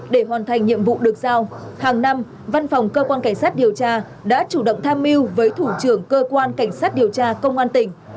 để hoàn thành nhiệm vụ được giao hàng năm văn phòng cơ quan cảnh sát điều tra đã chủ động tham mưu với thủ trưởng cơ quan cảnh sát điều tra công an tỉnh